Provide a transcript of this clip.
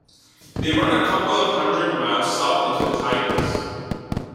They run a couple of hundred miles south into the Tigris.